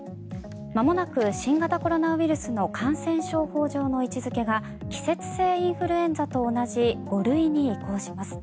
まもなく新型コロナウイルスの感染症法上の位置付けが季節性インフルエンザと同じ５類に移行します。